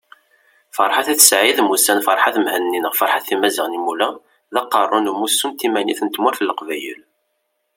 Ferḥat At Said mmusan Ferhat Mehenni neɣ Ferhat Imazighen Imula, d Aqerru n Umussu n Timanit n Tmurt n Leqbayel